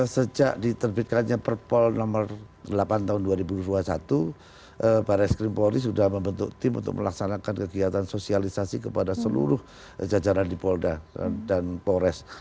sejak diterbitkannya perpol nomor delapan tahun dua ribu dua puluh satu baris krim polri sudah membentuk tim untuk melaksanakan kegiatan sosialisasi kepada seluruh jajaran di polda dan polres